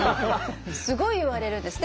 すごい言われるんです。